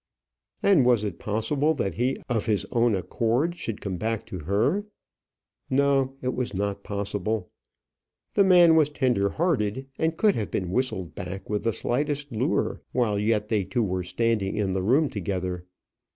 And was it possible that he of his own accord should come back to her? No, it was not possible. The man was tender hearted, and could have been whistled back with the slightest lure while yet they two were standing in the room together.